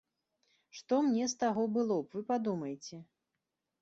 Што мне з таго было б, вы падумайце.